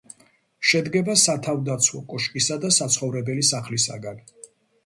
შედგება სათავდაცვო კოშკისა და საცხოვრებელი სახლისაგან.